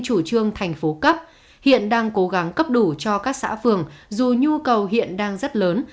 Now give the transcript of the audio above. chủ trương thành phố cấp hiện đang cố gắng cấp đủ cho các xã phường dù nhu cầu hiện đang rất lớn